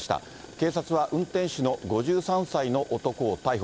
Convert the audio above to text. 警察は、運転手の５３歳の男を逮捕。